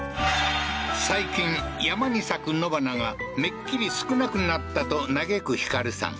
最近山に咲く野花がめっきり少なくなったと嘆く光さん